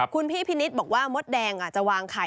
คุณพี่พินิษฐ์บอกว่ามดแดงจะวางไข่